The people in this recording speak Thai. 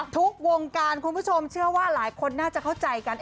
ทุกวงการคุณผู้ชมเชื่อว่าหลายคนน่าจะเข้าใจกัน